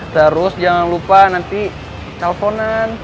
terus jangan lupa nanti telponan